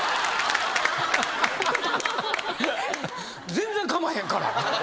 全然構へんから。